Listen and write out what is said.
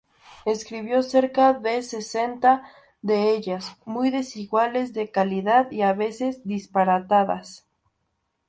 Escribió cerca de sesenta de ellas, muy desiguales de calidad y a veces disparatadas.